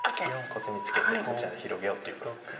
コスミツケてこちらを広げようっていうことです。